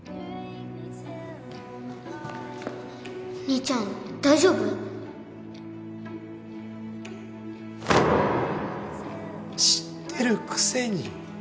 兄ちゃん大丈夫？知ってるくせに。